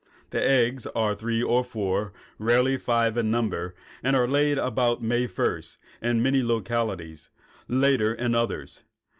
The eggs are three or four, rarely five in number, and are laid about May 1 in many localities, later in others.